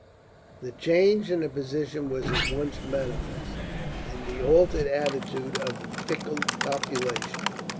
The change in the position was at once manifest, in the altered attitude of the fickle population.